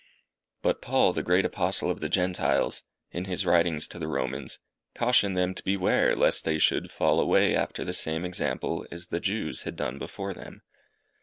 But Paul, the great Apostle of the Gentiles, in his writings to the Romans, cautioned them to beware lest they should fall away after the same example as the Jews had done before them.